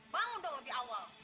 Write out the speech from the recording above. bangun dong lebih awal